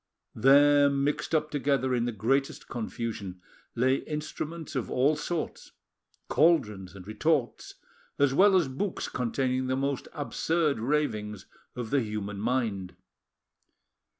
There, mixed up together in the greatest confusion, lay instruments of all sorts, caldrons and retorts, as well as books containing the most absurd ravings of the human mind.